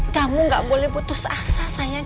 kamu gak boleh putus asa sayang